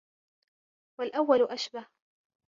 وَالْأَوَّلُ أَشْبَهُ